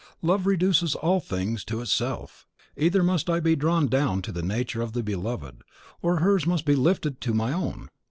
Love reduces all things to itself. Either must I be drawn down to the nature of the beloved, or hers must be lifted to my own.